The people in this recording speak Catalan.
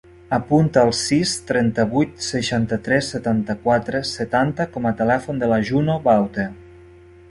Apunta el sis, trenta-vuit, seixanta-tres, setanta-quatre, setanta com a telèfon de la Juno Baute.